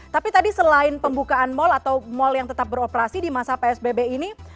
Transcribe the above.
tapi tadi selain pembukaan mal atau mal yang tetap beroperasi di masa psbb ini